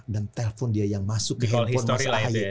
dan telepon dia yang masuk ke handphone mas ahe